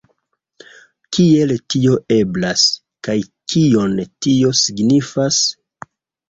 Kiel tio eblas, kaj kion tio signifas?